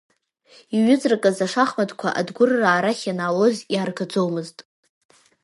Иҩыҵракыз ашахматқәа адгәырраа арахь ианаалоз иааргаӡомызт.